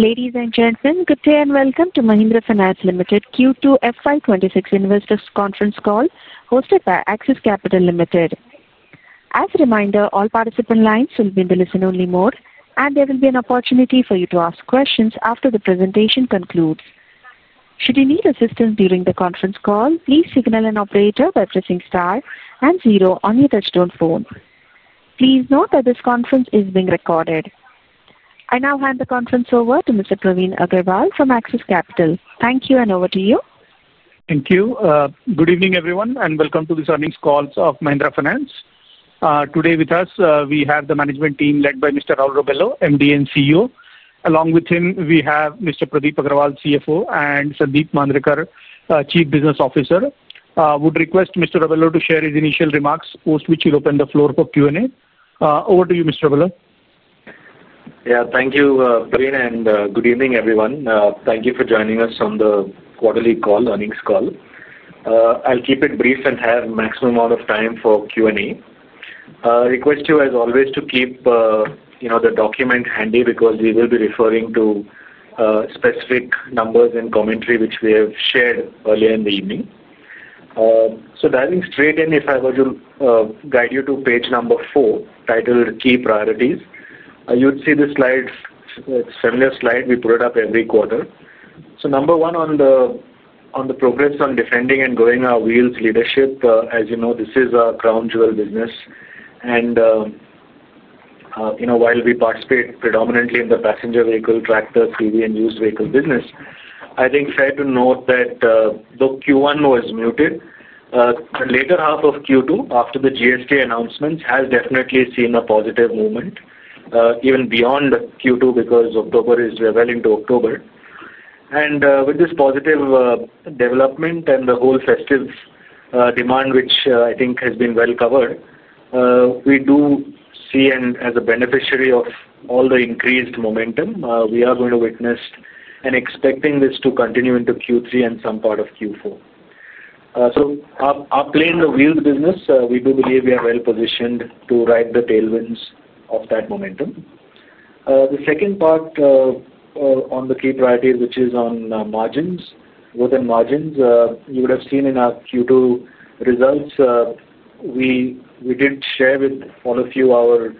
Ladies and gentlemen, good day and welcome to Mahindra Financial Limited Q2 FY 2026 investors conference call hosted by Axis Capital Limited. As a reminder, all participant lines will be in the listen-only mode and there will be an opportunity for you to ask questions after the presentation concludes. Should you need assistance during the conference call, please signal an operator by pressing star and zero on your digital phone. Please note that this conference is being recorded. I now hand the conference over to Mr. Praveen Agarwal from Axis Capital. Thank you. And over to you. Thank you. Good evening everyone and welcome to this earnings call of Mahindra Finance. Today with us we have the management team led by Mr. Raul Rebello, MD and CEO. Along with him we have Mr. Pradeep Agrawal, CFO, and Sandeep Mandrekar, Chief Business Officer. I would request Mr. Rebello to share his initial remarks post which we will open the floor for Q&A. Over to you, Mr. Raul. Yeah, thank you, Praveen. And good evening everyone. Thank you for joining us on the quarterly earnings call. I'll keep it brief and have maximum amount of time for Q&A. I request you, as always, to keep the document handy because we will be referring to specific numbers and commentary which we have shared earlier in the evening. Diving straight in, if I were to guide you to page number four titled Key Priorities, you'd see this slide. It's a similar slide we put up every quarter. Number one on the progress on defending and growing our wheels leadership. As you know, this is a crown jewel business. While we participate predominantly in the passenger vehicle, tractor, TV, and used vehicle business, I think it's fair to note that though Q1 was muted, the later half of Q2 after the GST announcements has definitely seen a positive movement even beyond Q2 because October is well into October and with this positive development and the whole festive demand, which I think has been well covered, we do see as a beneficiary of all the increased momentum we are going to witness and expecting this to continue into Q3 and some part of Q4. Our play in the wheels business, we do believe we are well positioned to ride the tailwinds of that momentum. The second part on the key priority, which is on margins. Within margins, you would have seen in our Q2 results, we did share with all of you our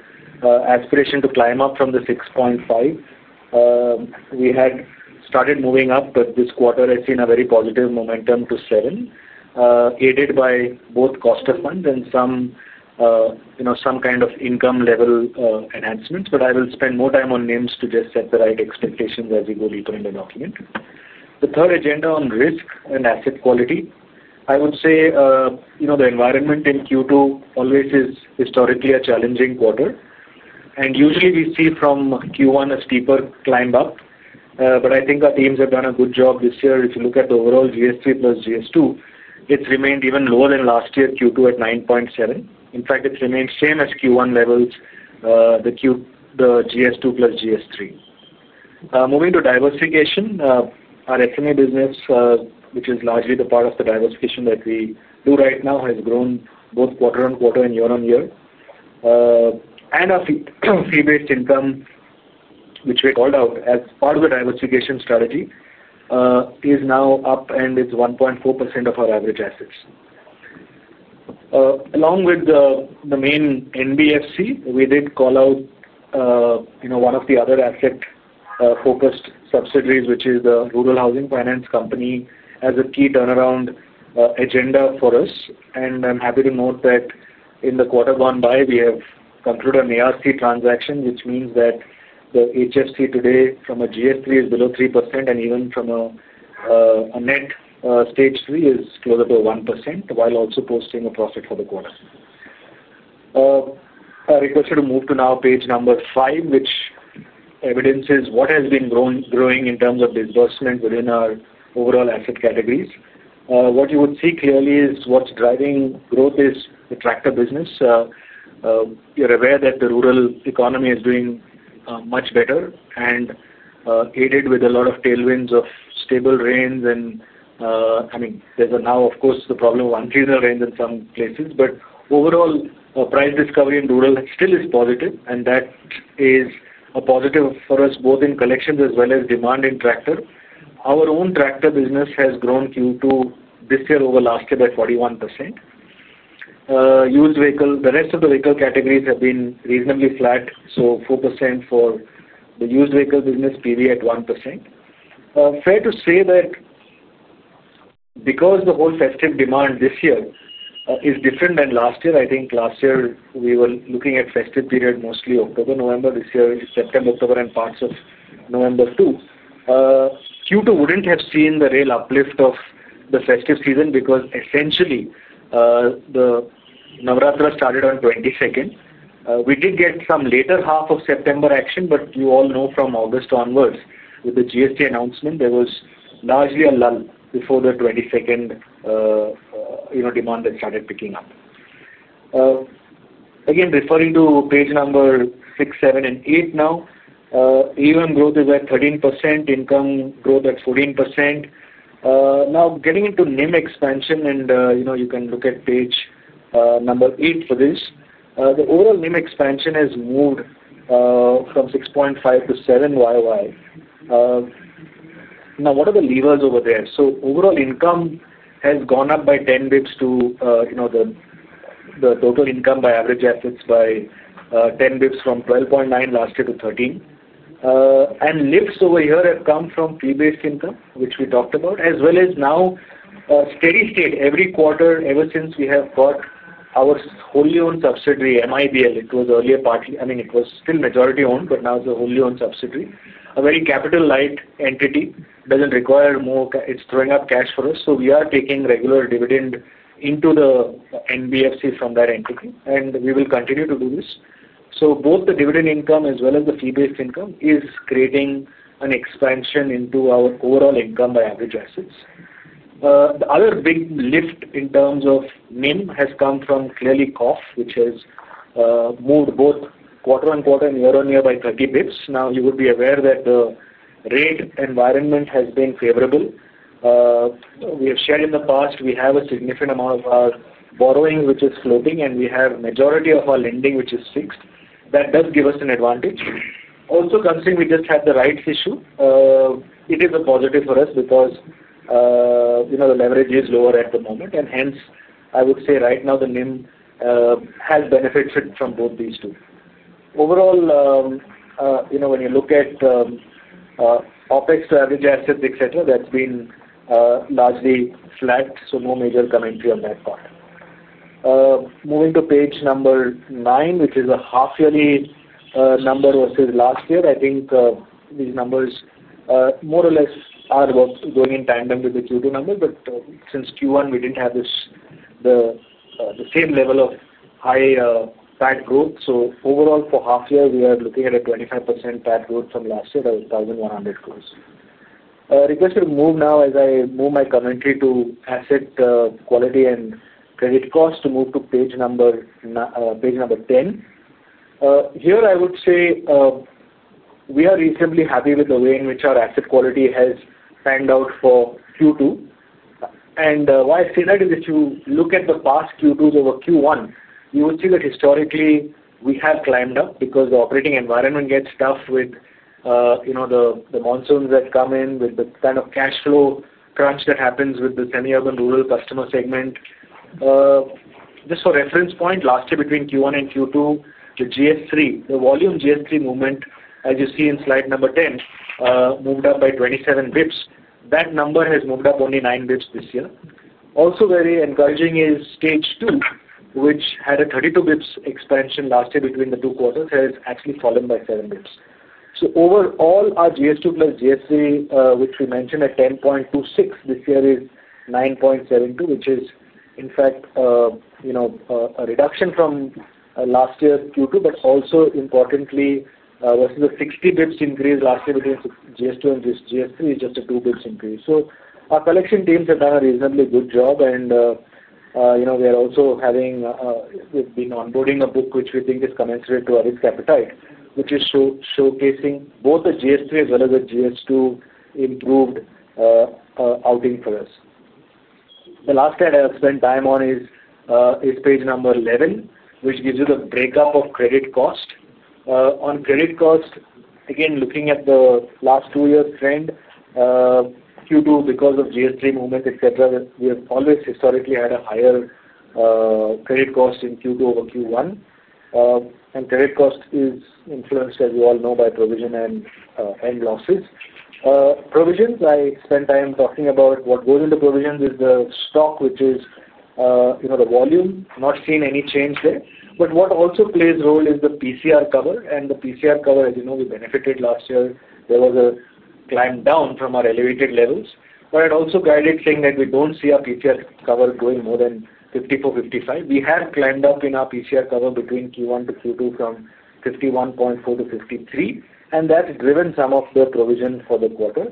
aspiration to climb up from the 6.5 we had started moving up. This quarter has seen a very positive momentum to sell in, aided by both cost of funds and some kind of income level enhancements, but I will spend more time on NIMs to just set the right expectations as we go deeper in the document. The third agenda on risk and asset quality, I would say the environment in Q2 always is historically a challenging quarter and usually we see from Q1 a steeper climb up. I think our teams have done a good job this year. If you look at the overall GS3 plus GS2, it's remained even lower than last year Q2 at 9.7%. In fact, it remains same as Q1 levels. The GS2 plus GS3 moving to diversification. Our SME business, which is largely the part of the diversification that we do right now, has grown both quarter-on-quarter and year-on-year, and our fee-based income, which we called out as part of the diversification strategy, is now up and it's 1.4% of our average assets along with the main NBFC. We did call out one of the other asset-focused subsidiaries, which is the Rural Housing Finance company, as a key turnaround agenda for us. I'm happy to note that in the quarter gone by, we have concluded an ARC transaction, which means that the HFC today from a GS3 is below 3% and even from a net stage 3 is closer to 1%, while also posting a profit for the quarter. I request you to move to now page number five, which evidences what has been growing in terms of disbursement within our overall asset categories. What you would see clearly is what's driving growth is the tractor business. You're aware that the rural economy is doing much better and aided with a lot of tailwinds of stable rains. There is now, of course, the problem of unseasonal rains in some places. Overall, price discovery in rural still is positive and that is a positive for us both in collections as well as demand in tractor. Our own tractor business has grown Q2 this year over last year by 41%. The rest of the vehicle categories have been reasonably flat, so 4% for the used vehicle business, PV at 1%. Fair to say that because the whole festive demand this year is different than last year. Last year we were looking at festive period mostly October, November; this year September, October, and parts of November too. Q2 wouldn't have seen the real uplift of the festive season because essentially the Navaratra started on 22nd. We did get some later half of September action, but you all know from August onwards with the GST announcement there was largely a lull before the 22nd demand that started picking up again. Referring to page number six, seven, and eight, now AUM growth is at 13%, income growth at 14%. Now getting into NIM expansion, and you can look at page number eight for this. The overall NIM expansion has moved from 6.5%-7%. Now what are the levers over there? Overall income has gone up by 10 bps to the total income by average assets by 10 bps from 12.9 bps last year to 13 bps. Lifts over here have come from fee-based income, which we talked about, as well as now steady state every quarter ever since we have bought our wholly owned subsidiary MIBL. It was earlier partly, I mean it was still majority owned but now it's a wholly owned subsidiary, a very capital light entity requiring more. It's throwing up cash for us. We are taking regular dividend into the NBFC from that entity and we will continue to do this. Both the dividend income as well as the fee-based income is creating an expansion into our overall income by average assets. The other big lift in terms of NIM has come from clearly cost, which has moved both quarter-on-quarter and year-on-year by 30 bps. You would be aware that rate environment has been favorable. We have shared in the past we have a significant amount of our borrowing which is floating and we have majority of our lending which is fixed. That does give us an advantage. Also, considering we just have the rights issue, it is a positive for us because the leverage is lower at the moment and hence I would say right now the NIM has benefited from both these two. Overall, when you look at OpEx to average assets, etc., that's been largely flat. No major commentary on that part. Moving to page number nine which is a half yearly number versus last year. I think these numbers more or less are going in tandem with the Q2 number. Since Q1 we didn't have this the same level of high PAT growth. Overall, for half year we are looking at a 25% PAT growth from last year. That was 1,100 crores requested to move. As I move my commentary to asset quality and credit cost to move to page number 10 here, I would say we are reasonably happy with the way in which our asset quality has panned out for Q2 and why I say that is if you look at the past Q2s over Q1 you will see that historically we have climbed up because the operating environment gets tough with the monsoons that come in with the kind of cash flow crunch that happens with the semi urban rural customer segment. Just for reference point, last year between Q1 and Q2 the GS3, the volume GS3 movement as you see in slide number 10, moved up by 27 bps. That number has moved up only 9 bps this year. Also very encouraging is Stage 2 which had a 32 bps expansion last year between the two quarters has actually fallen by 7 bps. Overall, our GS2 plus GS3 which we mentioned at 10.26 bps this year is 9.72 bps which is in fact a reduction from last year Q2, also importantly versus the 60 bps increase last year between GS2 and GS3 is just a 2 bps increase. Our collection teams have done a reasonably good job and we are also having we've been onboarding a book which we think is commensurate to a risk appetite which is showcasing both the GS3 as well as the GS2 improved outing for us. The last slide I'll spend time on is page number 11, which gives you the breakup of credit cost. On credit cost, again looking at the last two year trend, Q2 because of GS3 movement etc., we have always historically had a higher credit cost in Q2 over Q1 and credit cost is influenced as you all know by provision and losses. Provisions, I spent time talking about what goes into provisions, is the stock which is the volume. Not seen any change there. What also plays a role is the PCR cover and the PCR cover, as you know, we benefited last year. There was a climb down from our elevated levels, but it also guided saying that we don't see our PCR cover going more than 54%-55%. We have climbed up in our PCR cover between Q1 to Q2 from 51.4% to 53% and that's driven some of the provision for the quarter.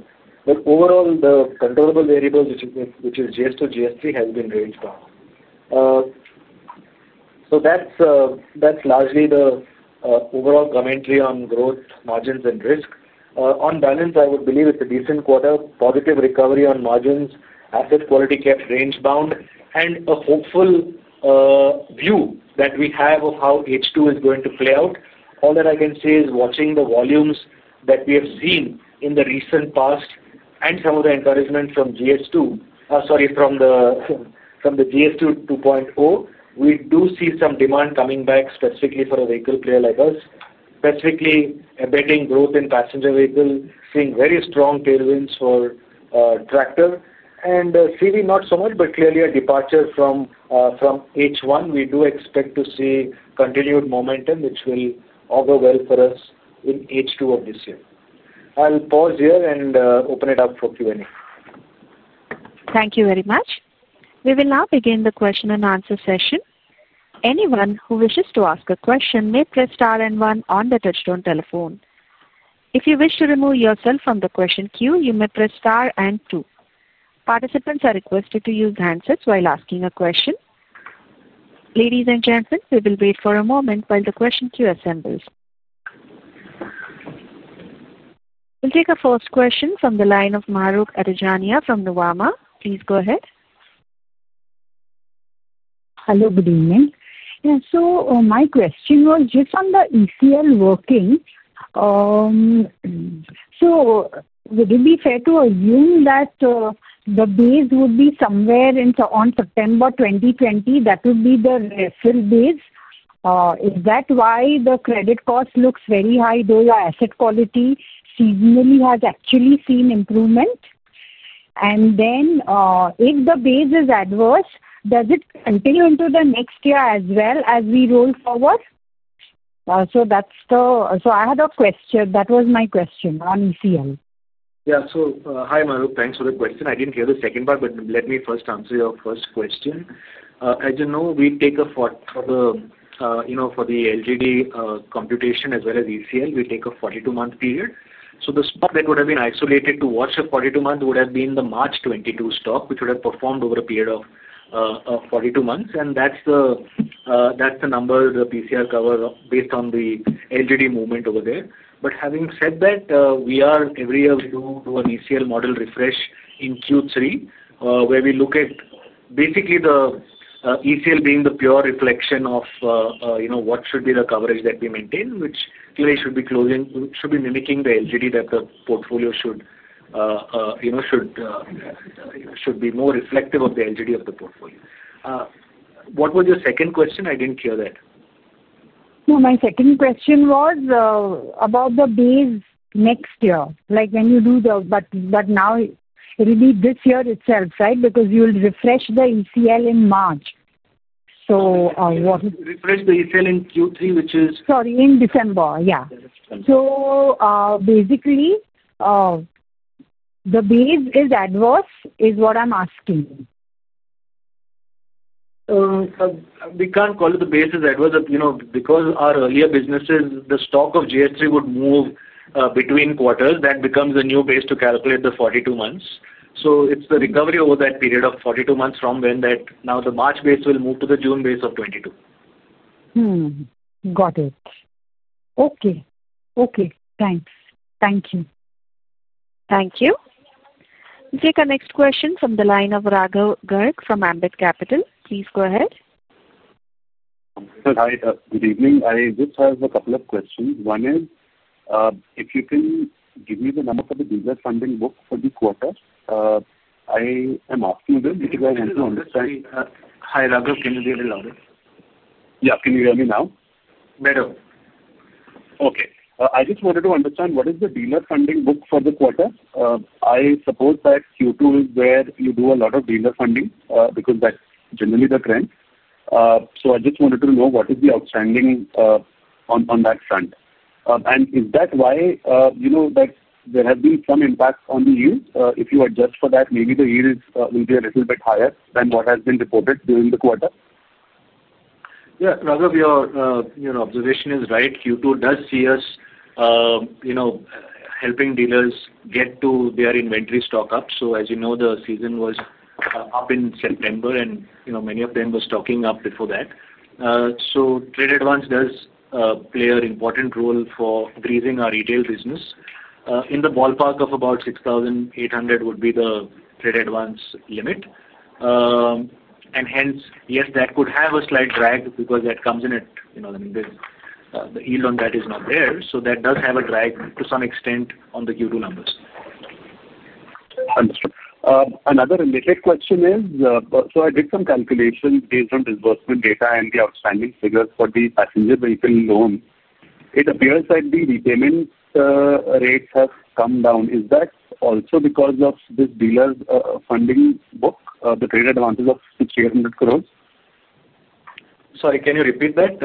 Overall, the controllable variable which is GS2 to GS3 has been raised down. That's largely the overall commentary on growth, margins, and risk. On balance, I would believe it's a decent quarter, positive recovery on margins, asset quality kept range bound, and a hopeful view that we have of how H2 is going to play out. All that I can say is watching the volumes that we have seen in the recent past and some of the encouragement from GS2, sorry, from the GST 2.0, we do see some demand coming back specifically for a vehicle player like us, specifically emitting growth in passenger vehicle, seeing very strong tailwinds for tractor and CV not so much, but clearly a departure from H1. We do expect to see continued momentum which will augur well for us in H2 of this year. I'll pause here and open it up for Q&A. Thank you very much. We will now begin the question-and-answer session. Anyone who wishes to ask a question may press star and one on the Touchstone telephone. If you wish to remove yourself from the question queue, you may press star and two. Participants are requested to use handsets while asking a question. Ladies and gentlemen, we will wait for a moment while the question queue assembles. We'll take the first question from the line of Mahrukh Adajania from Nuvama. Please go ahead. Hello, good evening. My question was just on the ECL working. Would it be fair to assume that the base would be somewhere in September 2020? That would be the referral. Is that why the credit cost looks very high though the asset quality seasonally has actually seen improvement? If the base is adverse, does it continue into the next year as well as we roll forward? That was my question on ECL. Yeah, so. Hi Mahrukh, thanks for the question. I didn't hear the second part, but let me first answer your first question. As you know, we take, for the LGD computation as well as ECL, we take a 42-month period. The stock that would have been isolated to watch at 42 months would have been the March 2022 stock, which would have performed over a period of 42 months. That's the number, the PCR cover based on the LGD movement over there. Having said that, every year we do an ECL model refresh in Q3 where we look at basically the ECL being the pure reflection of what should be the coverage that we maintain, which should be mimicking the LGD, that the portfolio should be more reflective of the LGD of the portfolio. What was your second question? I didn't hear that. My second question was about the base next year, like when you do the. Now it will be this year itself because you will refresh the ECL in March. We refresh the ECL in Q3, which is. Sorry, in December. Basically, the base is adverse is what I'm asking. We can't call it the basis adverse, you know, because our earlier businesses, the stock of GS3 would move between quarters. That becomes a new base to calculate the 42 months. It's the recovery over that period of 42 months from when that, now the March base will move to the June base of 22. Got it. Okay. Okay, thanks. Thank you. Thank you. Take our next question from the line of Raghav Garg from Ambit Capital. Please go ahead. Hi, good evening. I just have a couple of questions. One is if you can give me the number for the dealer funding book for the quarter. I am asking them because I want to understand. Hi, Raghav, can you hear me? Louder. Yeah. Can you hear me now? Better. Okay. I just wanted to understand what is the dealer funding book for the quarter. I suppose that Q2 is where you do a lot of dealer funding because that's generally the trend. I just wanted to know what is the outstanding on that front and is that why there has been some impact on the yield? If you adjust for that, maybe the yield will be a little bit higher than what has been reported during the quarter. Yes, Raghav, your observation is right. Q2 does see us helping dealers get to their inventory stock up. As you know, the season was up in September and many of them were stocking up before that. Trade advance does play an important role for grazing our retail business. In the ballpark of about 6,800 crore would be the trade advance limit. Yes, that could have a slight drag because the yield on that is not there. That does have a drag to some extent on the Q2 numbers. Understood. Another related question is, I did some calculations based on disbursement data and the outstanding figures for the passenger vehicle loan. It appears that the repayment rates have come down. Is that also because of this dealer funding book? The trade advance of 6,800 crore. Sorry, can you repeat that?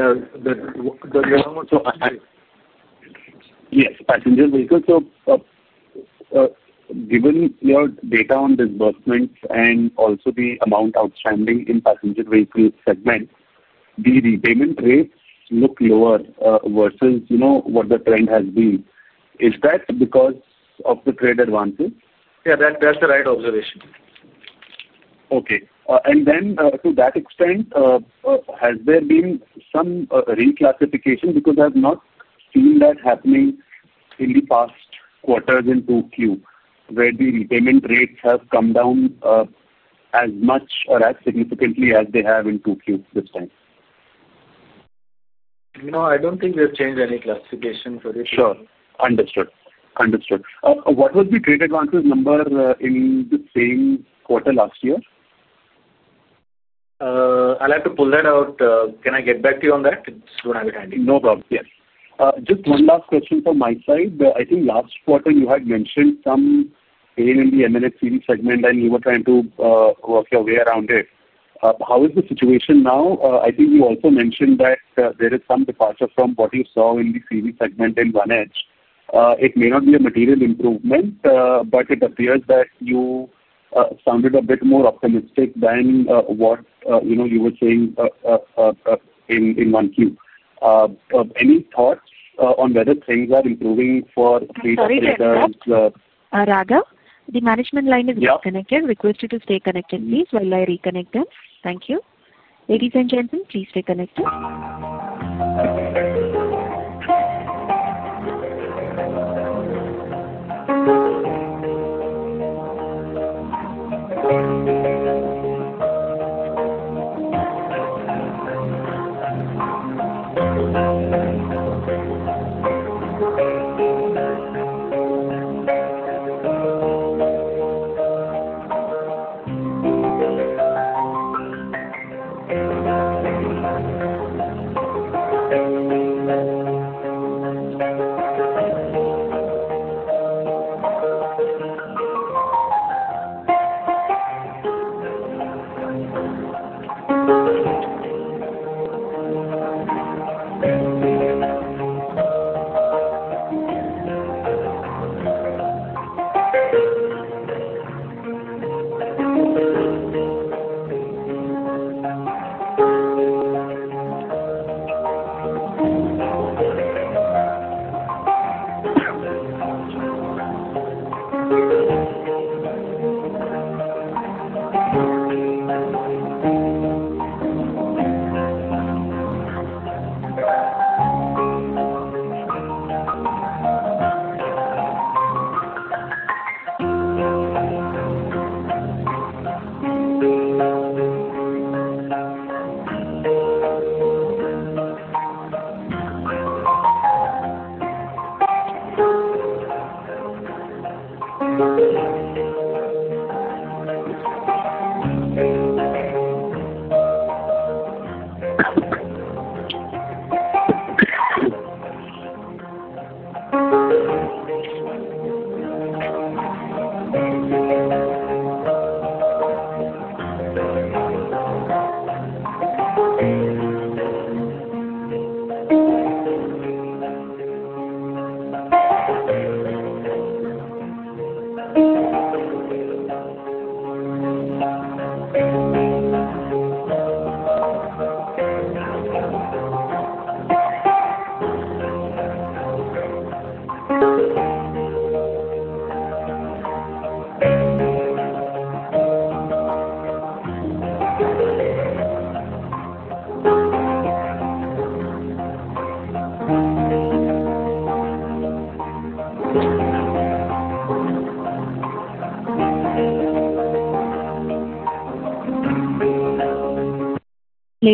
Yes, passenger vehicle. Given your data on disbursements and also the amount outstanding in the passenger vehicle segment, the repayment rates look lower versus what the trend has been. Is that because of the trade advances? Yeah, that's the right observation. To that extent, has there been some reclassification? I have not seen that happening in the past quarters into 2Q where the repayment rates have come down as much or as significantly as they have in Q2 this time. No, I don't think we've changed any classification for this. Sure. Understood. Understood. What was the trade advances number in the same quarter last year? I'll have to pull that out. Can I get back to you on that? No problem. Just one last question from my side. I think last quarter you had mentioned some in the M&HCV segment and you were trying to work your way around it. How is the situation now? I think you also mentioned that there is some departure from what you saw in the CV segment in one edge. It may not be a material improvement but it appears that you sounded a bit more optimistic than what you were saying in Q1. Any thoughts on whether things are improving for. The management line is disconnected. Request you to stay connected, please, while I reconnect them. Thank you. Ladies and gentlemen, please stay connected.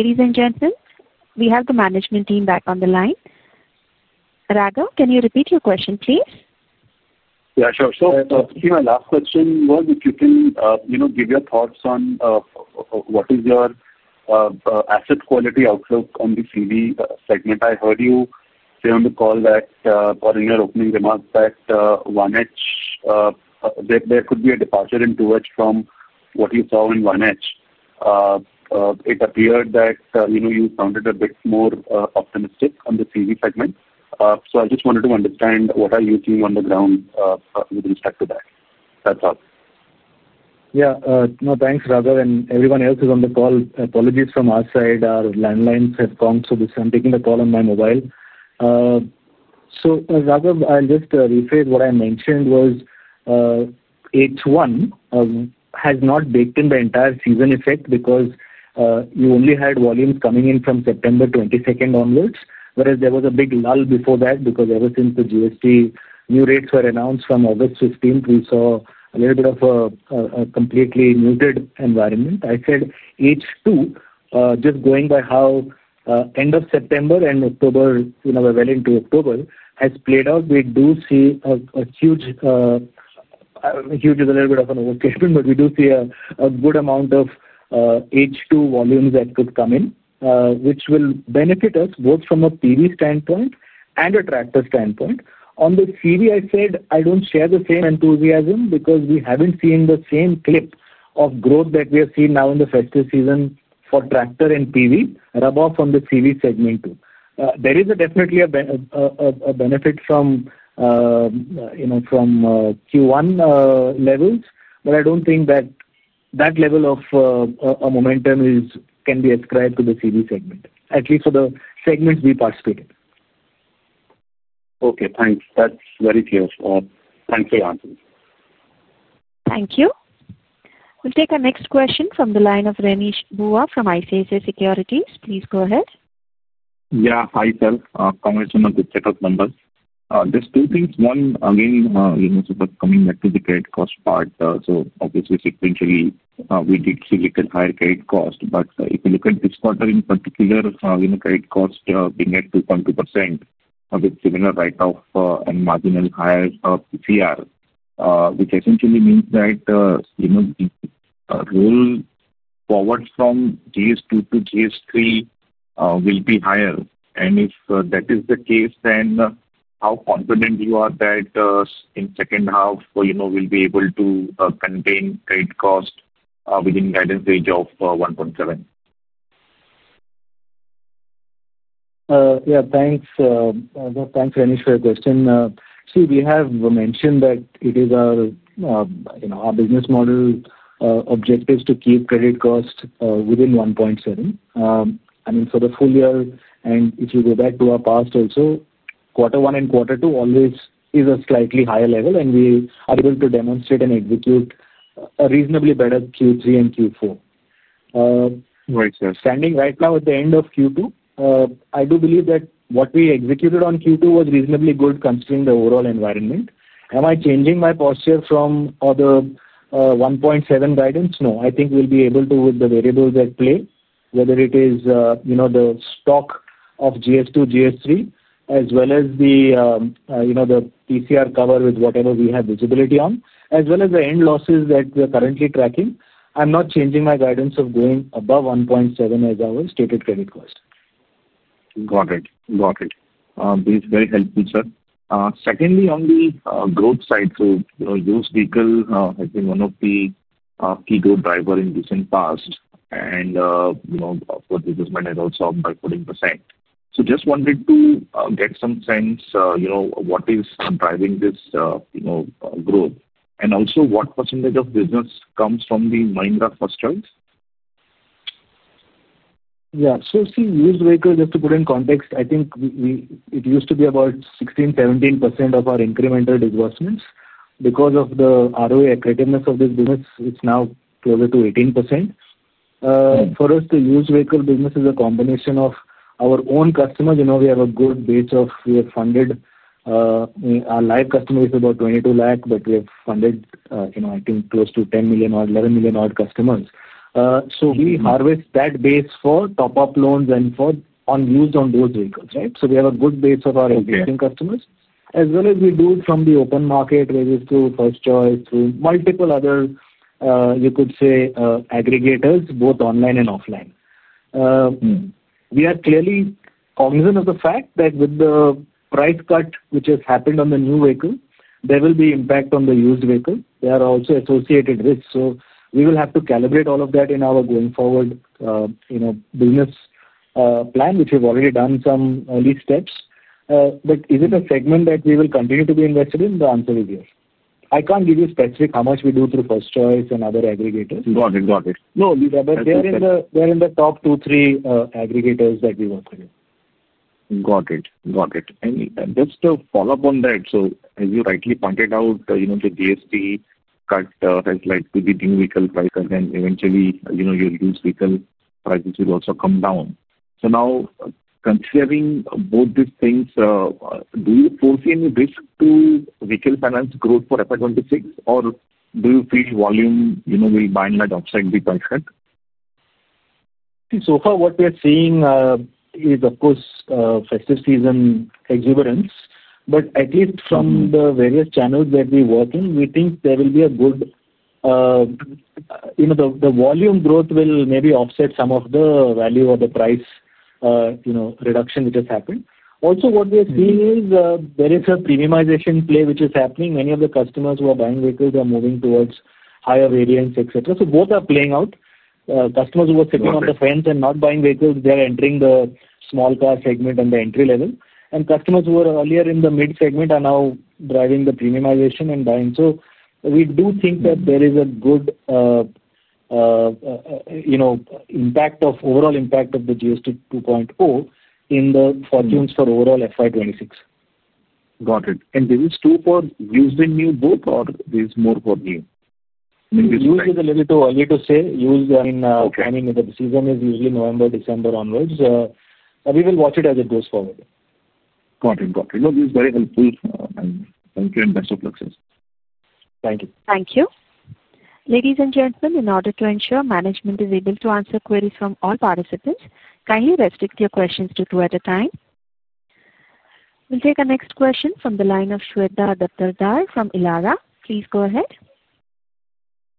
Sam it. Ladies and gentlemen, we have the management team back on the line. Raghav, can you repeat your question please? Yeah, sure. My last question was if you can, you know, give your thoughts on what is your asset quality outlook on the CV segment. I heard you say on the call that in your opening remarks that H1 there could be a departure in H2 from what you saw in H1. It appeared that, you know, you sounded a bit more optimistic on the CV segment. I just wanted to understand what are you seeing on the ground with respect to that. That's all. Yes. No, thanks Raghav and everyone else on the call. Apologies from our side. Our landlines have gone, so I'm taking the call on my mobile. Raghav, I'll just rephrase. What I mentioned was H1 has not baked in the entire season effect because you only had volumes coming in from September 2022 onwards. There was a big lull before that because ever since the GST new rates were announced from August 15th, we saw a little bit of a completely new. I said H2, just going by how end of September and October, well into October, has played out. We do see a huge, is a little bit of an overcastment, but we do see a good amount of H2 volumes that could come in, which will benefit us both from a PV standpoint and a tractor standpoint. On the PV, I said I don't share the same enthusiasm because we haven't seen the same clip of growth that we have seen now in the festive season for tractor and PV rub off on the CV segment too. There is definitely a benefit from, you know, from Q1 levels. I don't think that level of momentum can be ascribed to the CV segment, at least for the segments we participate in. Okay, thanks. That's very clear. Thanks for your answer. Thank you. We'll take our next question from the line of Remish Bhuva from ICICI Securities. Please go ahead. Yeah. Hi sir. Congrats on a good set of numbers. There's two things. One, again, you know, coming back to the credit cost part, obviously sequentially we did see little higher credit cost. If you look at this quarter in particular, credit cost being at 2.2% with similar write off and marginal hires of PCR, which essentially means that. Roll. Forward from GS2 to GS3 will be higher. If that is the case, then how confident are you that in the second half we'll be able to contain credit cost within guidance range of 1.7%? Yeah, thanks. Thanks, Renish, for your question. See, we have mentioned that it is our business model objective to keep credit cost within 1.7% for the full year. If you go back to our past also, quarter one and quarter two always is a slightly higher level, and we are able to demonstrate and execute a reasonably better Q3 and Q4. Standing right now at the end of Q2, I do believe that what we executed on Q2 was reasonably good considering the overall environment. Am I changing my posture from our 1.7% guidance? No, I think we'll be able to, with the variables at play, whether it is the stock of GS2, GS3, as well as the PCR cover with whatever we have visibility on, as well as the end losses that we are currently tracking. I'm not changing my guidance of going above 1.7% as our stated credit cost. Got it, got it. It is very helpful, sir. Secondly, on the growth side, used vehicle has been one of the key growth drivers in recent past and also up by 14%. Just wanted to get some sense what is driving this growth and also what percentage of business comes from the Mahindra for strength. Yeah, so see, used vehicle, just to put in context, I think it used to be about 16%-17% of our incremental disbursements. Because of the ROA accretiveness of this business, it's now closer to 18%. For us, the used vehicle business is a combination of our own customers. We have a good base of, we have funded, our live customer is about 22 lakh, but we have funded, I think, close to 10 million or 11 million odd customers. We harvest that base for top-up loans and for use on those vehicles. We have a good base of our existing customers as well as we do from the open market range through First Choice, through multiple other, you could say, aggregators both online and offline. We are clearly cognizant of the fact that with the price cut which has happened on the new vehicle, there will be impact on the used vehicle. There are also associated risks. We will have to calibrate all of that in our goals going forward business plan, which we've already done some early steps, but is it a segment that we will continue to be invested in? The answer is yes. I can't give you specific how much we do through First Choice and other aggregators. Got it. Got it. No, but they're in the top two, three aggregators that we work with. Got it. Got it. Just to follow up on that, as you rightly pointed out, you know the DSP and eventually, you know, used vehicle prices will also come down. Now, considering both these things, do you foresee any risk to vehicle finance growth for FY 2026 or do you feel volume will by not offset the price cut? So far, what we are seeing is, of course, festive season exuberance, but at least from the various channels that we work in, we think there will be a good volume growth that will maybe offset some of the value or the price reduction which has happened. Also, what we're seeing is there is a premiumization play which is happening. Many of the customers who are buying vehicles are moving towards higher variants, etc. Both are playing out. Customers who are sitting on the fence and not buying vehicles are entering the small car segment and the entry level, and customers who were earlier in the mid segment are now driving the premiumization and buying. We do think that there is a good, you know, impact, overall impact of the GST 2.0 in the fortunes for overall FY 2026. Got it. This is true for using new book or is more for new season is usually November, December onwards. We will watch it as it goes forward. This is very helpful. Thank you and best of success. Thank you. Thank you, ladies and gentlemen. In order to ensure management is able to answer queries from all participants, kindly restrict your questions to two at a time. We'll take our next question from the line of Shweta Daptardar from Elara. Please go ahead.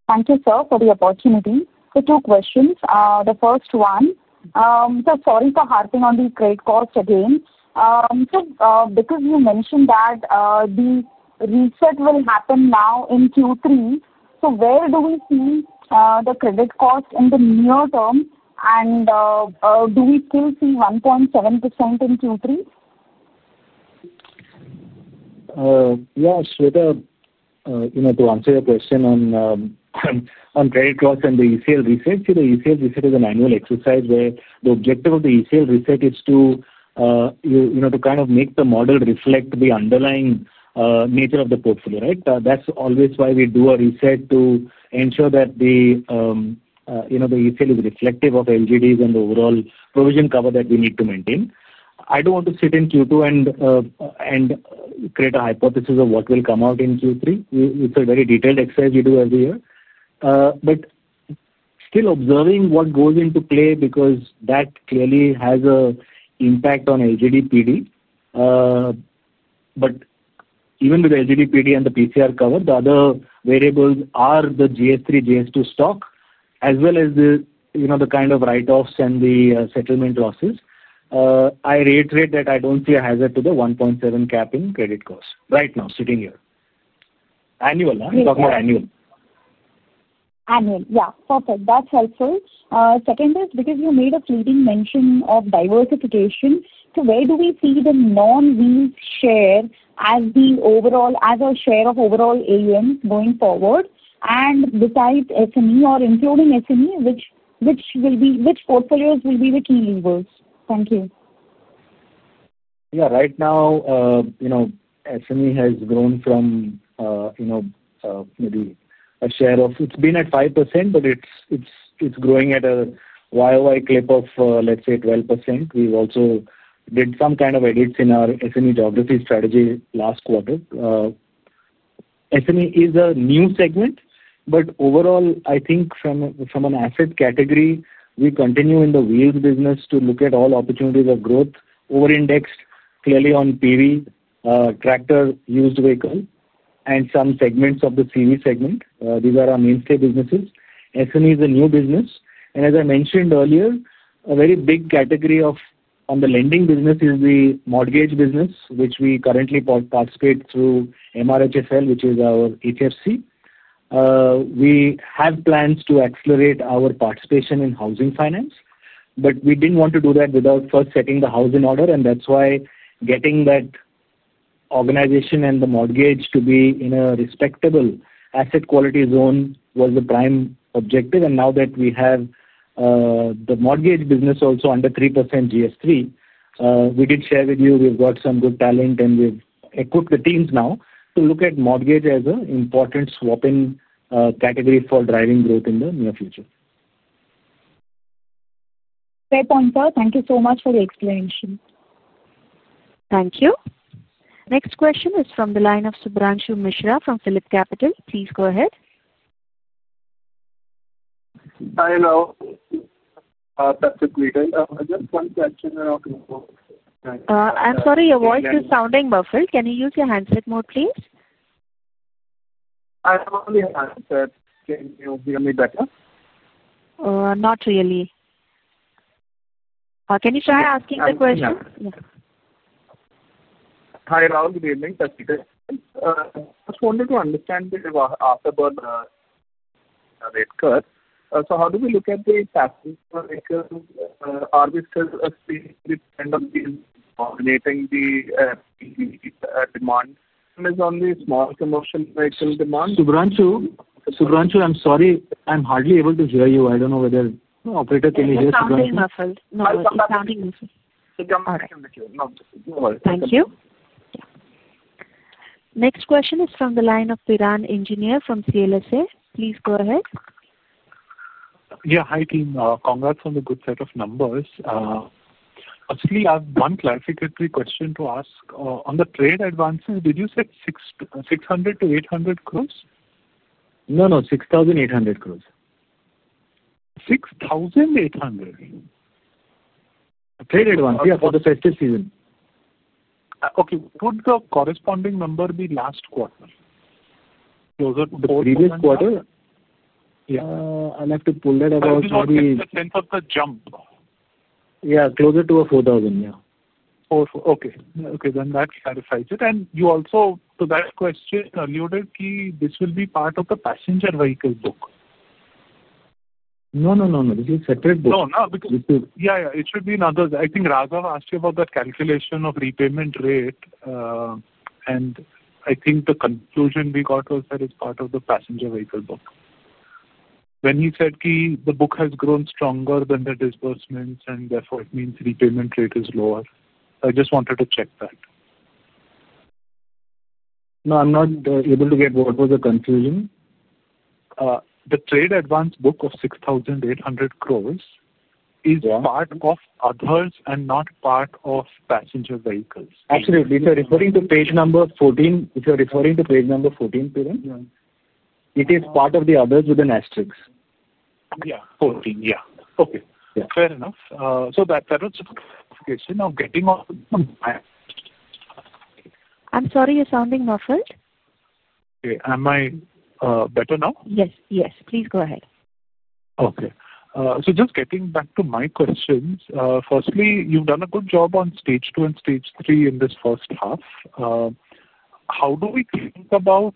Thank you, sir, for the opportunity. The two questions, the first one, sorry for harping on the credit cost again because you mentioned that the reset will happen now in Q3. Where do we see the credit cost in the near term, and do we still see 1.7% in Q3? Yes, to answer your question on credit loss and the ECL reset. See, the ECL reset is an annual exercise where the objective of the ECL reset is to kind of make the model reflect the underlying nature of the portfolio. That's always why we do a reset, to ensure that the ECL is reflective of LGDs and the overall provision cover that we need to maintain. I don't want to sit in Q2 and create a hypothesis of what will come out in Q3. It's a very detailed exercise we do every year, still observing what goes into play because that clearly has an impact on LGD, PD. Even with LGD, PD, and the PCR cover, the other variables are the GS3, GS2 stock as well as the write-offs and the settlement losses. I reiterate that I don't see a hazard to the 1.7% cap in credit cost right now sitting here. Annual. Annual. Yeah, perfect. That's helpful. Second is because you made a fleeting mention of diversification. Where do we see the non means share as the overall, as a share of overall AUM going forward, and besides SME or including SME. Which will be. Which portfolios will be the key? Thank you. Yeah. Right now, you know, SME has grown from, you know, maybe a share of, it's been at 5% but it's growing at a YoY clip of let's say 12%. We also did some kind of edits in our SME geography strategy last quarter. SME is a new segment but overall I think from an asset category we continue in the wheels business to look at all opportunities of growth, over-indexed clearly on PV, tractor, used vehicle, and some segments of the CV segment. These are our mainstay businesses. SME is a new business and as I mentioned earlier, a very big category on the lending business is the mortgage business, which we currently participate through MRHSL, which is our HFC. We have plans to accelerate our participation in housing finance but we didn't want to do that without first setting the housing order. That's why getting that organization and the mortgage to be in a respectable asset quality zone was the prime objective. Now that we have the mortgage business also under 3% GS3, we did share with you, we've got some good talent and we have equipped the teams now to look at mortgage as an important swap-in category for driving growth in the near future. Great point, sir. Thank you so much for the explanation. Thank you. Next question is from the line of Shubhranshu Mishra from Philip Capital. Please go ahead. Hi now. I'm sorry, your voice is sounding muffled. Can you use your handset mode, please? Can you hear me better? Not really. Can you try asking the question? Hi, Raul. Good evening. Just wanted to understand the afterburn rate curve. How do we look at the commercial demand? I'm sorry, I'm hardly able to hear you. I don't know whether. Operator, can you hear? Thank you. Next question is from the line of Piran Engineer from CLSA. Please go ahead. Yeah. Hi team. Congrats on the good set of numbers. Actually, I have one clarificatory question to ask on the trade advances. Did you say 600-800 crores? No. No. 6,800 crores. 6,800. Yeah. For the festive season. Okay. Would the corresponding number be last quarter? Closer to the previous quarter? Yeah. I'll have to pull that sense of the jump. Yeah. Closer to 4,000. Yeah. Okay. Okay. That clarifies it. You also to that question alluded key. This will be part of the passenger vehicle book. No, no, no, no. This is separate book. Yeah, it should be in others. I think [Rava] asked you about that calculation of repayment rate. I think the conclusion we got was that it's part of the passenger vehicle book. When he said the book has grown stronger than the disbursements and therefore it means repayment rate is lower. I just wanted to check that. No, I'm not able to get. What was the confusion? The trade advance book of 6,800 crores is mark of others and not part of passenger vehicles. Absolutely. If you're referring to page number 14. If you're referring to page number 14, it is part of the others with an asterisk. Yeah, 14. Yeah. Okay, fair enough. That was. Okay, now getting on. I'm sorry, you're sounding muffled. Okay, am I better now? Yes, please go ahead. Okay, so just getting back to my questions. Firstly, you've done a good job on stage two and stage three in this first half. How do we think about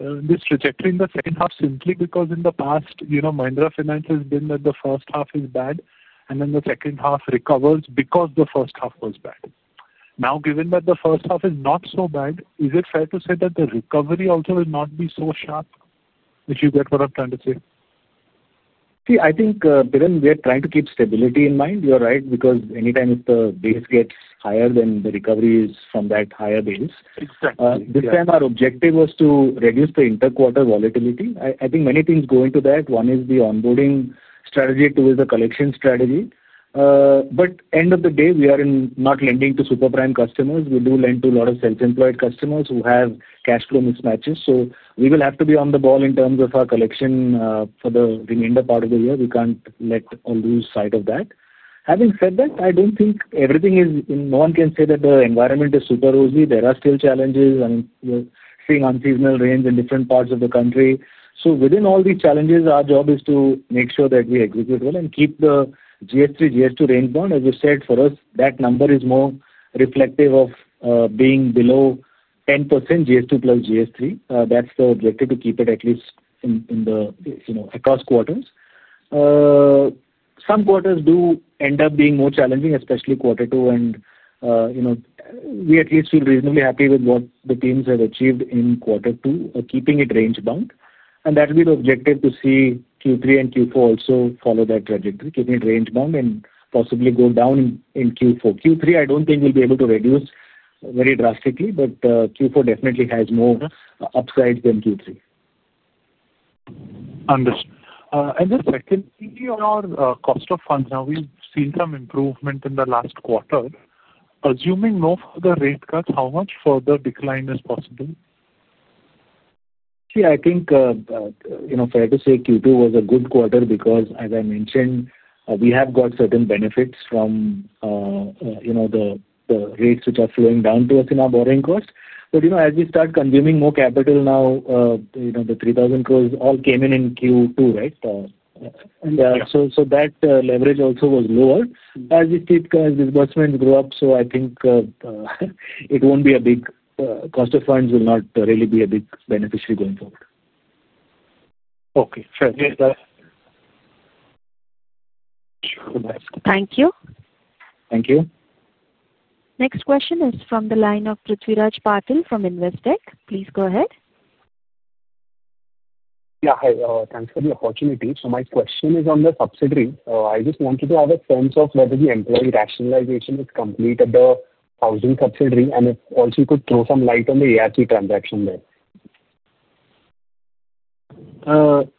this trajectory in the second half? Simply because in the past, you know, Mahindra Finance has been that the first half is bad and then the second half recovers because the first half was bad. Now, given that the first half is not so bad, is it fair to say that the recovery also will not be so sharp? You get what I'm trying to say. See, I think we are trying to keep stability in mind. You're right. Because anytime if the base gets higher, then the recovery is from that higher base. This time our objective was to reduce the inter-quarter volatility. I think many things go into that. One is the onboarding strategy, two is the collection strategy. At the end of the day we are not lending to super prime customers. We do lend to a lot of self-employed customers, customers who have cash flow mismatches. We will have to be on the ball in terms of our collection for the remainder part of the year. We can't lose sight of that. Having said that, I don't think everything is. No one can say that the environment is super rosy. There are still challenges. We're seeing unseasonal rains in different parts of the country. Within all these challenges our job is to make sure that we execute well and keep the GS2 plus GS3 rangebound. As we said, for us that number is more reflective of being below 10% GS2 plus GS3. That's the objective, to keep it at least across quarters. Some quarters do end up being more challenging, especially quarter two. We at least feel reasonably happy with what the teams have achieved in quarter two, keeping it rangebound. That will be the objective to see Q3 and Q4 follow that trajectory, keep it rangebound and possibly go down in Q4. Q3 I don't think we'll be able to reduce very drastically, but Q4 definitely has more upside than Q3. Understood. The second, cost of funds, now we've seen some improvement in the last quarter. Assuming no further rate cuts, how much further decline is possible? I think fair to say Q2 was a good quarter because as I mentioned we have got certain benefits from the rates which are flowing down to us in our borrowing cost. As we start consuming more capital now, the 3,000 crores all came in in Q2. That leverage also was lower as we see disbursements grew up. I think cost of funds will not really be a big beneficiary going forward. Okay. Thank you. Thank you. Next question is from the line of Prithviraj Patil from Investec. Please go ahead. Yeah, hi. Thanks for the opportunity. My question is on the subsidiary. I just wanted to have a sense of whether the employee rationalization is complete at the housing subsidiary. Could you also throw some light on the ARC transaction there?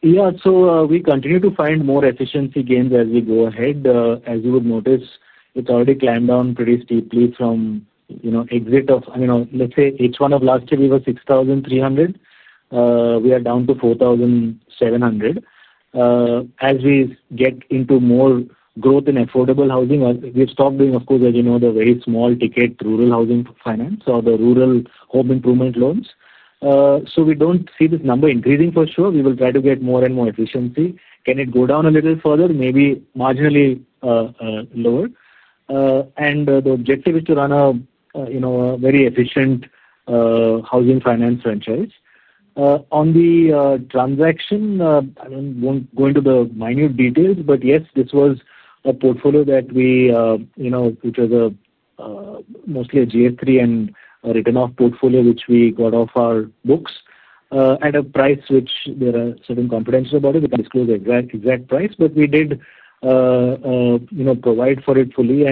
We continue to find more efficiency gains as we go ahead. As you would notice, it's already climbed down pretty steeply from, you know, exit of, I mean let's say H1 of last year we were at 6,300. We are down to 4,700. As we get into more growth in affordable housing, we've stopped doing, of course, as you know, the very small ticket rural housing finance or the rural home improvement loans. We don't see this number increasing for sure. We will try to get more and more efficiency. Can it go down a little further, maybe marginally lower. The objective is to run a very efficient housing finance franchise. On the transaction, I won't go into the minute details but yes, this was a portfolio that was mostly a GS3 and written off portfolio which we got off our books at a price which, due to certain confidentiality, we can't disclose the exact price but we did provide for it fully.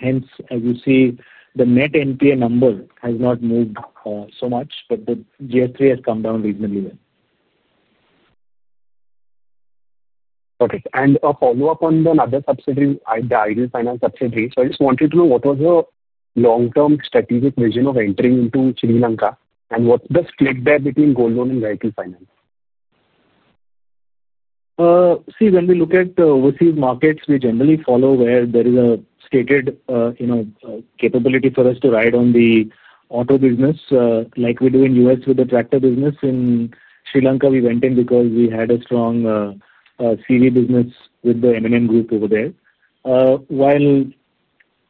Hence, as you see, the net NPA number has not moved so much but the GS3 has come down reasonably well. Okay. A follow up on the other subsidiary, the ID finance subsidiary. I just wanted to know what was the long-term strategic vision of entering into Sri Lanka and what's the split there between gold loan and finance? See, when we look at overseas markets we generally follow where there is a stated, you know, capability for us to ride on the auto business like we do in the U.S. with the tractor business. In Sri Lanka, we went in because we had a strong Sealy business with the Mahindra & Mahindra group over there.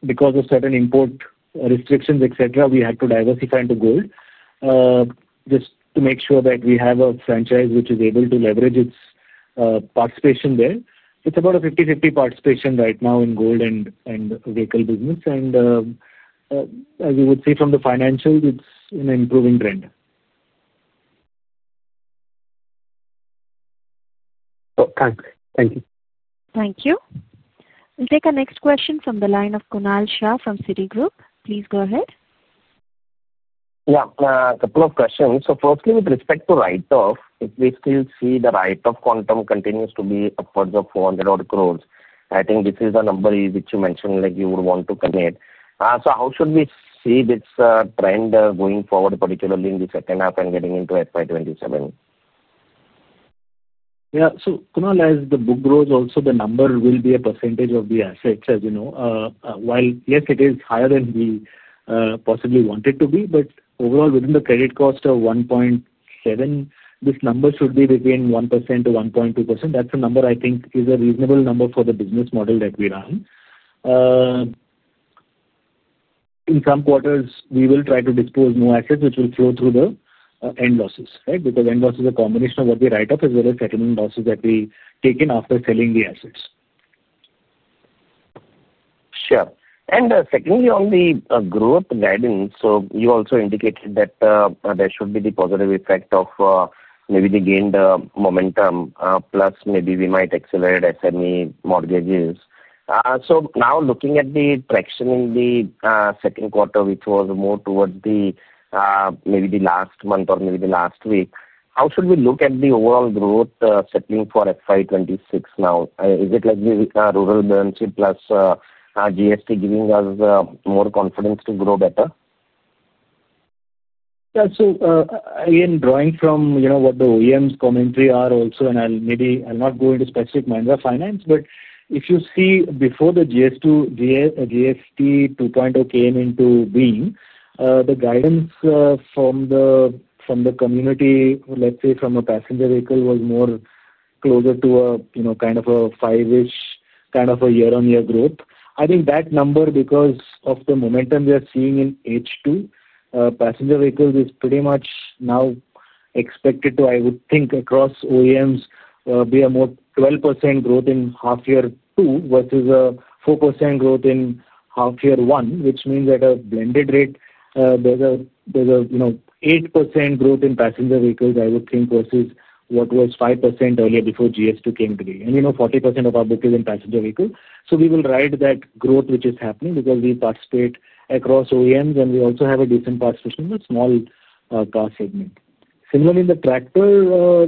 Because of certain import restrictions, we had to diversify into gold just to make sure that we have a franchise which is able to leverage its participation there. It's about a 50/50 participation right now in gold and vehicle business. As you would see from the financials, it's an improving trend. Thanks. Thank you. Thank you. We'll take our next question from the line of Kunal Shah from Citigroup. Please go ahead. Yeah, a couple of questions. Firstly, with respect to write off, if we still see the write off quantum continues to be upwards of 400 crore. I think this is a number which you mentioned like you would want to create. How should we see this trend going forward, particularly in the second half and getting into FY 2027? Yeah. Kunal, as the book grows also the number will be a percentage of the assets. As you know, while yes, it is higher than we possibly want it to be, overall within the credit cost of one point, this number should be between 1%-1.2%. That's a number I think is a reasonable number for the business model that we run. In some quarters we will try to dispose more assets which will flow through the end losses, right, because end loss is a combination of what we write off as well as settlement losses that we take in after selling the assets. Sure. Secondly, on the growth guidance, you also indicated that there should be the positive effect of maybe they gained momentum plus maybe we might accelerate SME mortgages. Now looking at the traction in the second quarter which was more towards maybe the last month or maybe the last week, how should we look at the overall growth settling for FY 2026 now? Is it like rural buoyancy plus GST giving us more confidence to grow better? Again, drawing from what the OEMs' commentary are also, and maybe I'll not go into specific minds of finance, but if you see before the GST 2.0 came into being, the guidance from the community, let's say from a passenger vehicle, was more closer to a kind of a 5% kind of a year-on-year growth. I think that number because of the momentum we are seeing in H2 passenger vehicles is pretty much now expected to, I would think, across OEMs be a more 12% growth in half year two versus a 4% growth in half year one. Which means at a blended rate there's 8% growth in passenger vehicles, I would think, versus what was 5% earlier before GST 2.0 came to be. You know 40% of our book is in passenger vehicle, so we will ride that growth which is happening because we participate across OEMs and we also have a decent participation in the small car segment. Similarly, in the tractor,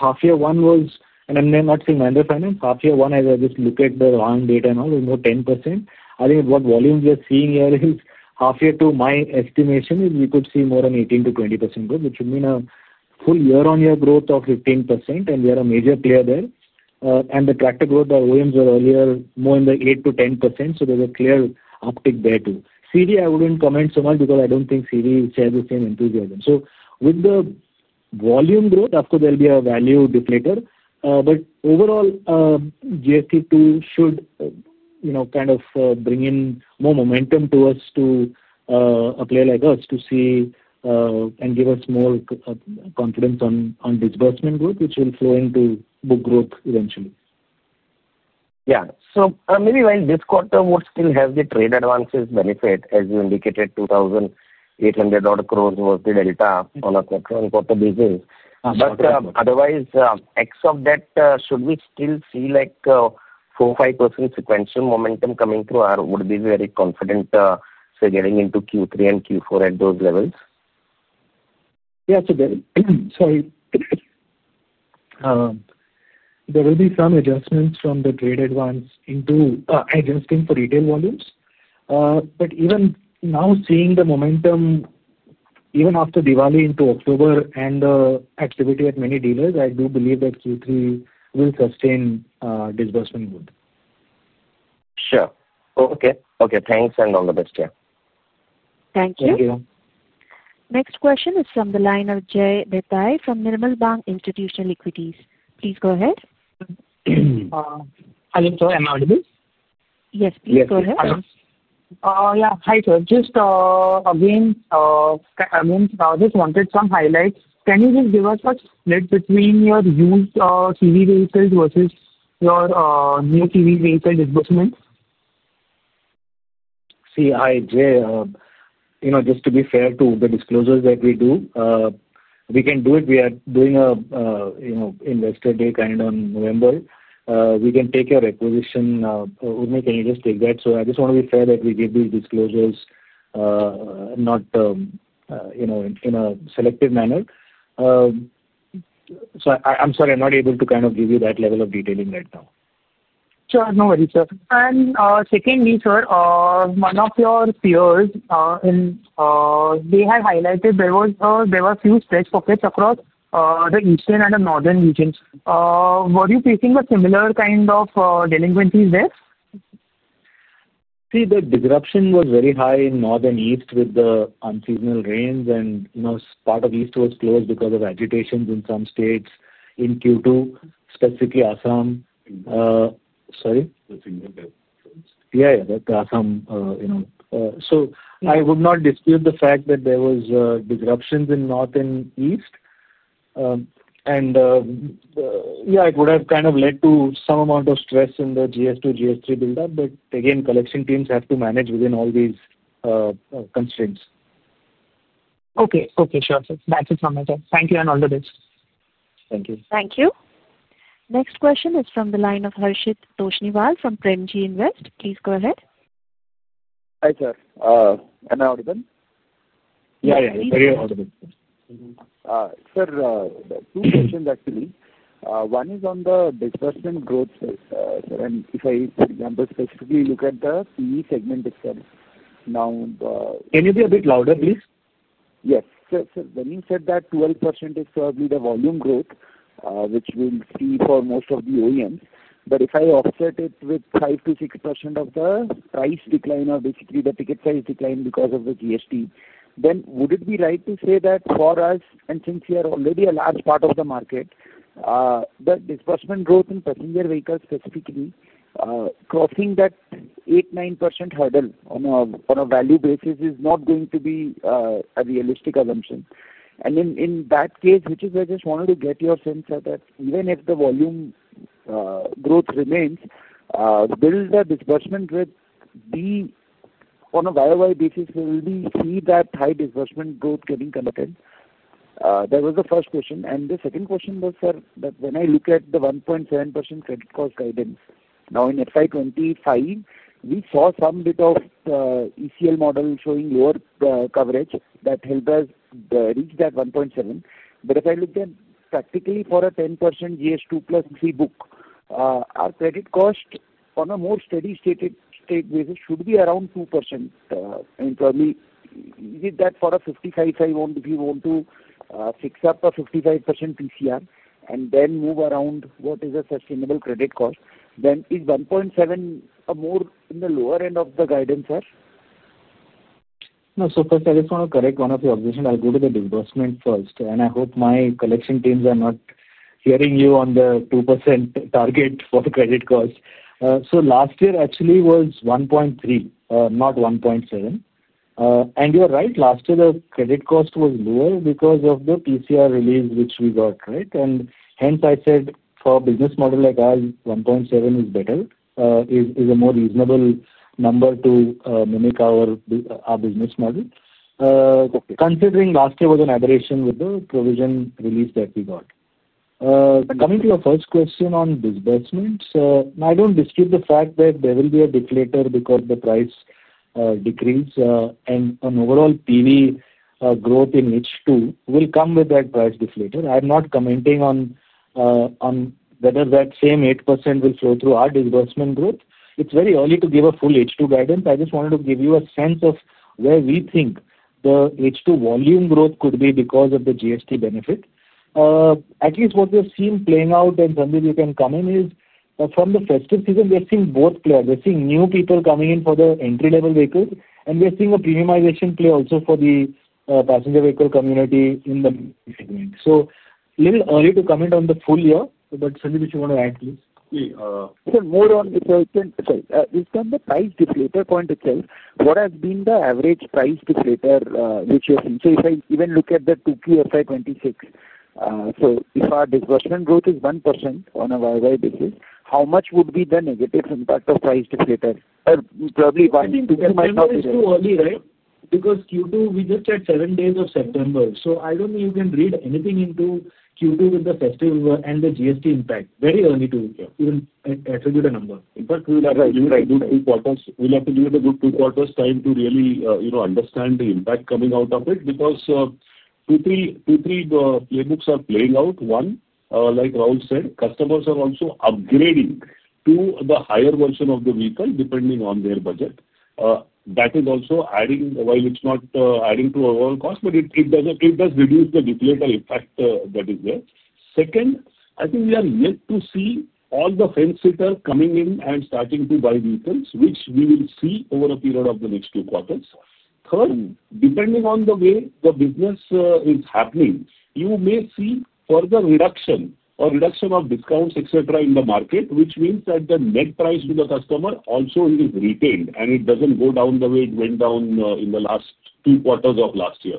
half year one was, and I may not see Mahindra Finance half year one as I just look at the wrong data and all, is more 10%. I think what volumes we are seeing here is half year two. My estimation is we could see more than 18 to 20% growth, which would mean a full year-on-year growth of 15%, and we are a major player there. The tractor growth by OEMs was earlier more in the 8%-10% range, so there's a clear uptick there too. CD, I wouldn't comment so much because I don't think CD shares the same enthusiasm. With the volume growth, of course, there'll be a value deflator. Overall, GS2 should kind of bring in more momentum to us, to a player like us, to see and give us more confidence on disbursement growth, which will flow into book growth eventually. Maybe while this quarter would still have the trade advances benefit as you indicated, 2,800 crore was the delta on a quarter-on-quarter basis. Otherwise, ex of debt, should we still see like 4 to 5% situation, sequential momentum coming through, I would be very confident getting into Q3 and Q4 at those levels. There will be some adjustments from the trade advance into adjusting for retail volumes. Even now, seeing the momentum even after Diwali into October and activity at many dealers, I do believe that Q3 will sustain disbursement. Sure. Okay. Okay, thanks. All the best. Thank you. Next question is from the line of [Jay Ditay] from Nirmal Bang Institutional Equities. Please go ahead. Hi sir, just again. Just wanted some highlights. Can you just give us a split between your used TV vehicles versus your new TV vehicle disbursements? See, I, just to be fair to the disclosures that we do, we can do it. We are doing a, you know, investor day kind of on November. We can take your acquisition. I just want to be fair that we give these disclosures not, you know, in a selective manner. I'm sorry, I'm not able to kind of give you that level of detailing right now. Sure, no worries, sir. Secondly, sir, one of your peers, they had highlighted there was. There were few stretch pockets across the eastern and the northern regions. Were you facing a similar kind of delinquencies there? See, the disruption was very high in north and east with the unseasonal rains, and part of east was closed because of agitations in some states in Q2, specifically Assam. I would not dispute the fact that there were disruptions in north and east. It would have kind of led to some amount of stress in the GS2, GS3 build up. Again, collection teams have to manage within all these constraints. Okay. Okay, sure. That's it from my time. Thank you and all the best. Thank you. Thank you. Next question is from the line of Harshit Toshniwal from Premji Invest. Please go ahead. Hi sir. Sir, two questions actually. One is on the disbursement growth. If I specifically look at the PE segment itself. Now can you be a bit louder please? Yes. When you said that 12% is probably the volume growth which we see for most of the OEMs, but if I offset it with 5%-6% of the price decline or basically the ticket size decline because of the GST, then would it be right to say that for us, and since we are already a large part of the market, the disbursement growth in passenger vehicles specifically crossing that 8%, 9% hurdle on a value basis is not going to be a realistic assumption. In that case, we just wanted to get your sense that even if the volume growth remains, is the disbursement rate on a year-on-year basis, will we see that high disbursement growth getting committed? That was the first question. The second question was that when I look at the 1.7% credit cost guidance now in FY 2025, we saw some bit of ECL model showing lower coverage that hinders reaching that 1.7%, but if I look at practically for a 10% GS2 plus GS3 book, our credit cost on a more steady state basis should be around 2%. Is it that for a 55.5% owned, if you want to fix up a 55% PCR and then move around, what is a sustainable credit cost? Then is 1.7% more in the lower end of the guidance, sir? No. First, I just want to correct one of your points. I'll go to the disbursement first, and I hope my collection teams are not hearing you on the 2% target for the credit cost. Last year actually was 1.3%, not 1.7%, and you're right, last year the credit cost was lower because of the PCR release which we got, and hence I said for a business model like ours, 1% is better, is a more reasonable number to mimic our business model considering last year was an aberration with the provision release that we got. Coming to your first question on disbursements, I don't dispute the fact that there will be a deflator because of the price decrease, and an overall PV growth in H2 will come with that price deflator. I'm not commenting on whether that same 8% will flow through our disbursement growth. It's very early to give a full H2 guidance. I just wanted to give you a sense of where we think the H2 volume growth could be because of the GST benefit. At least what we've seen playing out and somewhere you can come in is from the festive season we're seeing both players, we're seeing new people coming in for the entry level vehicles and we're seeing a premiumization play also for the passenger vehicle community. It's a little early to comment on the full year but something which you want to add, please come to the price deflator point itself. What has been the average price deflator which you've seen? If I even look at the Q2 FY 2026, if our disbursement growth is 1% on a YoY basis, how much would be the negative impact of price deflator? Probably one, right? Because Q2 we just had seven days of September, I don't think you can read anything into Q2 with the festival and the GST impact. Very early to attribute a number. We'll have to give it a good two quarters' time to really, you know, understand the impact coming out of it. Because two, three playbooks are playing out. One, like Raul said, customers are also upgrading to the higher version of the vehicle depending on their budget. That is also adding, while it's not adding to overall cost, but it does reduce the deflator effect that is there. Second, I think we are yet to see all the fence sitters coming in and starting to buy vehicles, which we will see over a period of the next two quarters. Third, depending on the way the business is happening, you may see further reduction or reduction of discounts, etc. in the market, which means that the net price to the customer also is retained and it doesn't go down the way it went down in the last two quarters of last year.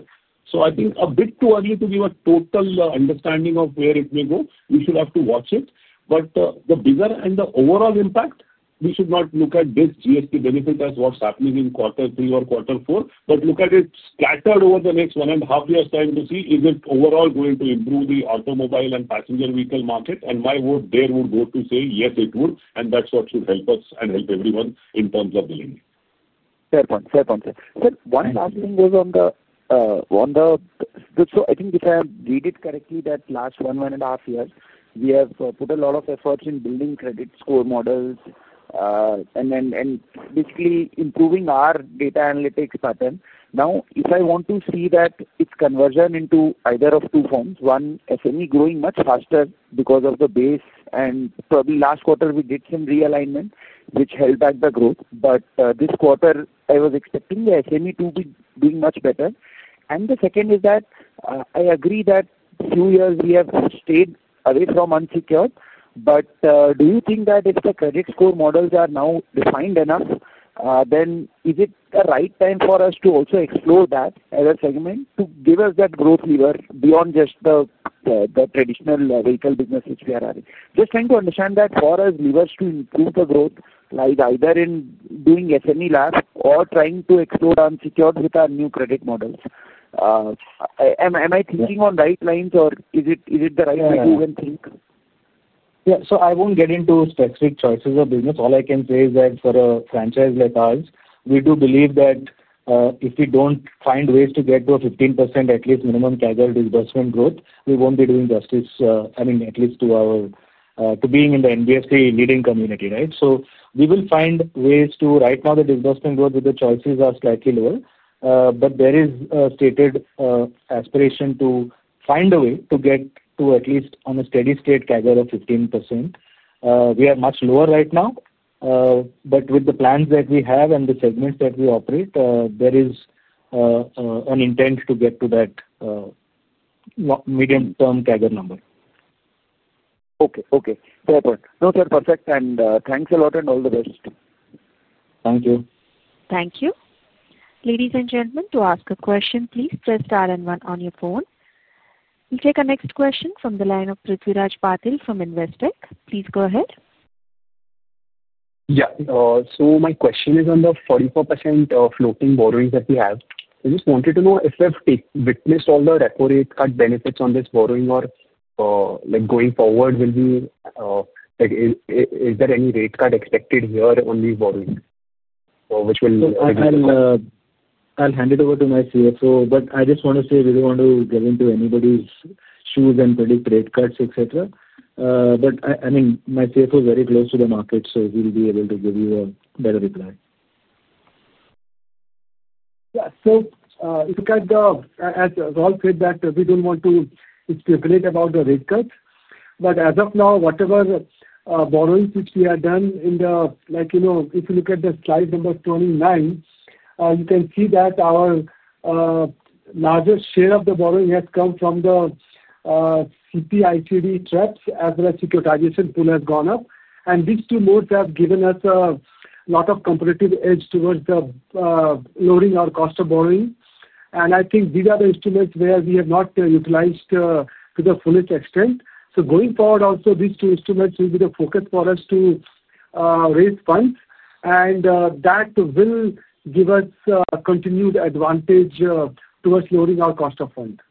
I think it's a bit too early to give a total understanding of where it may go. We should have to watch it. The bigger and the overall impact, we should not look at this GST benefit as what's happening in quarter three or quarter four, but look at it scattered over the next one and a half years' time to see is it overall going to improve the automobile and passenger vehicle market, and my vote there would go to say yes, it would, and that's what should help us and help everyone in terms of the link. Fair point, fair point sir. One last thing was on the, so I think if I read it correctly, that last one, one and a half years we have put a lot of efforts in building credit score models and basically improving our data analytics pattern. Now if I want to see that, it's conversion into either of two forms: one, SME growing much faster because of the base, and probably last quarter we did some realignment which held back the growth. This quarter I was expecting the SME to be doing much better. The second is that I agree that a few years we have stayed away from unsecured. Do you think that if the credit score models are now defined enough, then is it the right time for us to also explore that as a segment to give us that growth lever beyond just the traditional vehicle business which we are running? Just trying to understand that for us, levers to improve the growth, like either in doing SME lab or trying to explore unsecured with our new credit models. Am I thinking on right lines or is it the right way to even think? Yeah, I won't get into specific choices of business. All I can say is that for a franchise like ours, we do believe that if we don't find ways to get to a 15% at least minimum casual disbursement growth, we won't be doing justice, at least to our being in the NBFC leading community. Right now, the disbursement growth with the choices are slightly lower, but there is a stated aspiration to find a way to get to at least on a steady state CAGR of 15%. We are much lower right now, but with the plans that we have and the segments that we operate, there is an intent to get to that medium term CAGR number. Okay. Okay, perfect. Thanks a lot and all the best. Thank you. Thank you. Ladies and gentlemen, to ask a question, please press star and one on your phone. Take our next question from the line of Prithviraj Patil from Investec. Please go ahead. Yeah, so my question is on the 44% floating borrowings that we have. I just wanted to know if we've witnessed all the repo rate cut benefits on this borrowing or like going forward will be like is there any rate cut expected here on the borrowing? I'll hand it over to my CFO. I just want to say we don't want to get into anybody's shoes and predict rate cuts, etc. My CFO is very close to the market so he'll be able to give you a better reply. Yeah, so look at the, as Raul said that we don't want to speculate about the rate cut but as of now whatever borrowings which we had done in the, like, you know, if you look at the slide number 29, you can see that our largest share of the borrowing has come from the CPITD traps as well as securitization pool has gone up and these two modes have given us a lot of competitive edge towards lowering our cost of borrowing. I think these are the instruments where we have not utilized to the fullest extent. Going forward also these two instruments will be the focus for us to raise funds and that will give us continued advantage towards lowering our cost of fund.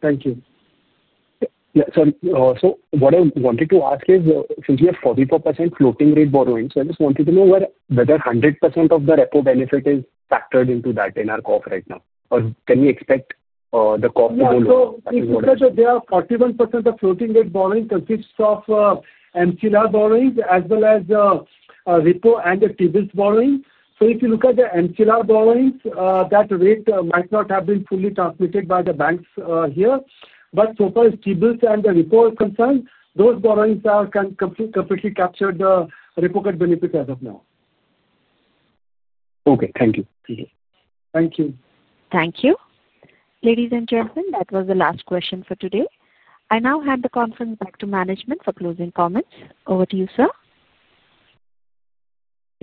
Thank you. What I wanted to ask is since we have 44% floating rate borrowing, I just wanted to know whether 100% of the repo benefit is factored into that in our COF right now or can we expect the cost to go lower? 41% of floating rate borrowing consists of MCLR borrowings as well as repo and the TBILS borrowing. If you look at the MCLR borrowings, that rate might not have been fully transmitted by the banks here. So far as TBILS and the repo is concerned, those borrowings completely captured the repo rate benefits as of now. Okay, thank you, thank you. Thank you ladies and gentlemen. That was the last question for today. I now hand the conference back to management for closing comments. Over to you, sir.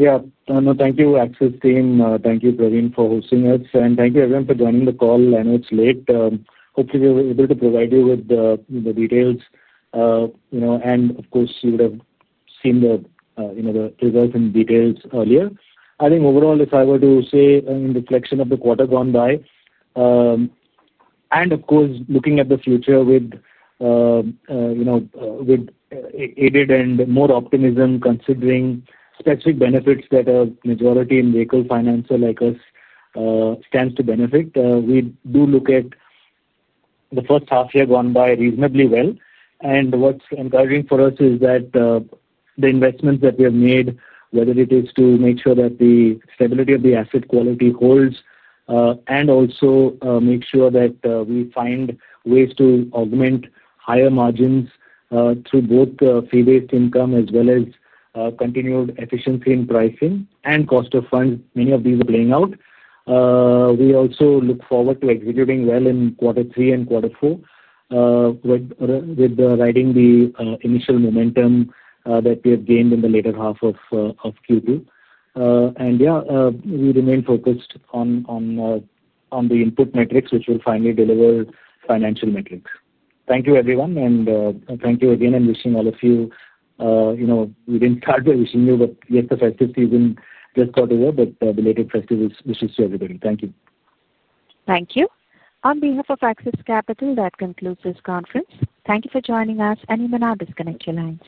Yeah, no, thank you Axis team. Thank you Praveen for hosting us and thank you everyone for joining the call. I know it's late, hopefully we were able to provide you with the details and of course you would have seen the results and details earlier. I think overall, if I were to say in reflection of the quarter gone by and of course looking at the future with aided and more optimism considering specific benefits that a majority in vehicle financer like us stands to benefit, we do look at the first half year gone by reasonably well. What's encouraging for us is that the investments that we have made, whether it is to make sure that the stability of the asset quality holds and also make sure that we find ways to augment higher margins through both fee-based income as well as continued efficiency in pricing and cost of funds, many of these are playing out. We also look forward to executing well in quarter three and quarter four with writing the implementation initial momentum that we have gained in the later half of Q2. We remain focused on the input metrics which will finally deliver financial metrics. Thank you everyone and thank you again and wishing all of you. We didn't start by wishing you but yet the festive season just got over. Related festive wishes to everybody. Thank you, thank you on behalf of Axis Capital. That concludes this conference. Thank you for joining us and you may now disconnect your lines.